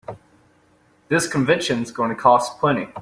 This convention's gonna cost plenty.